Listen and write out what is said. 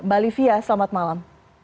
mbak livia selamat malam